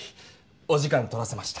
お時間取らせました。